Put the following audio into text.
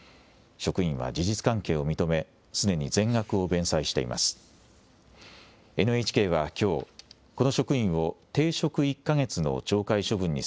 職員は事実関係を認めすでに全額を弁済しています。